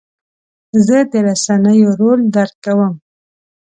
زه د رسنیو رول درک کوم.